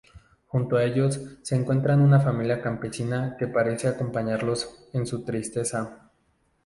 Junto a ellos se encuentran una familia campesina que parecen acompañarlos en su tristeza.